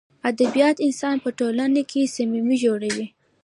ادبیات انسان په ټولنه کښي صمیمي جوړوي.